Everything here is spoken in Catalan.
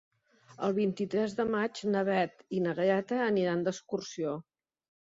El vint-i-tres de maig na Beth i na Greta aniran d'excursió.